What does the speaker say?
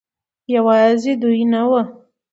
يوازې دوي نه وو